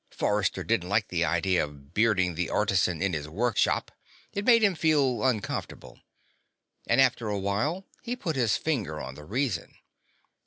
Forrester didn't like the idea of bearding the artisan in his workshop; it made him feel uncomfortable, and after a while he put his finger on the reason.